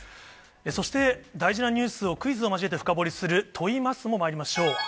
そして大事なニュースを、クイズを交えて深掘りする、問イマスもまいりましょう。